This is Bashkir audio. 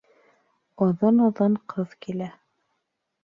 Оҙон-оҙон ҡыҙ килә